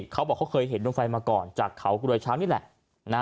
เขาบอกเขาเคยเห็นดวงไฟมาก่อนจากเขากรวยช้างนี่แหละ